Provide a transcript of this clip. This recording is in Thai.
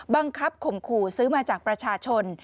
บังคับขมขู่ซื้อมาจากประชาชน